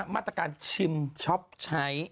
มาตรการชิมช็อปใช้